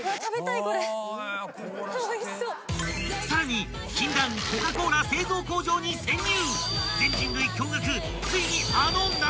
［さらに禁断コカ・コーラ製造工場に潜入！］